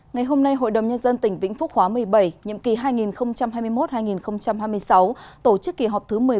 ngày hôm nay hội đồng nhân dân tỉnh vĩnh phúc khóa một mươi bảy nhiệm kỳ hai nghìn hai mươi một hai nghìn hai mươi sáu tổ chức kỳ họp thứ một mươi bốn